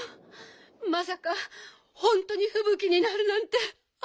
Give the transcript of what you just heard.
まさかほんとにふぶきになるなんて。